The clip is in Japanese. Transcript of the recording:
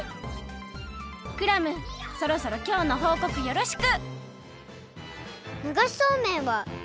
クラムそろそろきょうのほうこくよろしく！